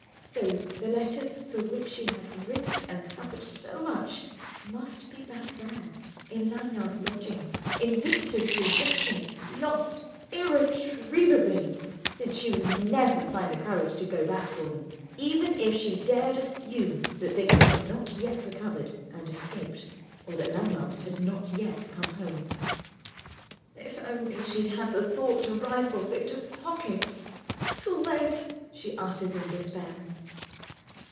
So the letters for which she had risked and suffered so much must be back there, in Lanyard's lodgings, in Victor's possession—lost irretrievably, since she would never find the courage to go back for them, even if she dared assume that Victor had not yet recovered and escaped or that Lanyard had not yet come home. If only she had thought to rifle Victor's pockets ... "Too late," she uttered in despair.